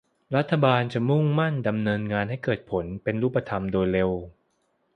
รัฐบาลจะมุ่งมั่นดำเนินงานให้เกิดผลเป็นรูปธรรมโดยเร็ว